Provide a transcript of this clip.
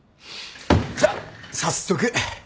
じゃあ早速。